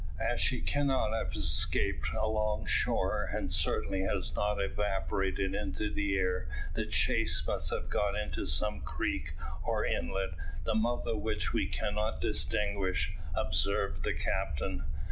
"As she cannot have escaped along shore, and certainly has not evaporated into the air, the chase must have got into some creek or inlet, the mouth of which we cannot distinguish," observed the captain.